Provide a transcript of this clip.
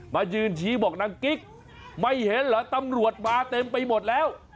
มายืนชี้บอกนางกิ๊กไม่เห็นเหรอตำรวจมาเต็มไปหมดแล้ว